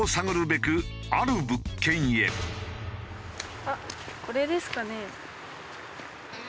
そのあっこれですかね？